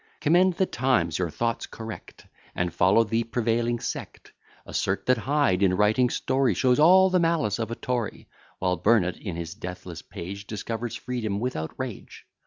Commend the times, your thoughts correct, And follow the prevailing sect; Assert that Hyde, in writing story, Shows all the malice of a Tory; While Burnet, in his deathless page, Discovers freedom without rage.